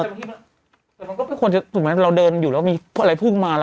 แต่มันก็ไม่ควรเราเดินอยู่แล้วอะไรพุ่งมา